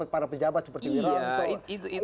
para pejabat seperti miranto